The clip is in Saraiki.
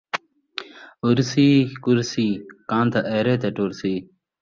اُرثی کرسی، کن٘دھ ایرے تے ٹُرسی